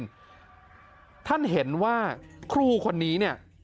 ปกครองท้องถิ่นท่านเห็นว่าครูคนนี้เนี่ย